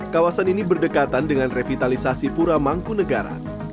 kawasan ini berdekatan dengan revitalisasi pura mangku negara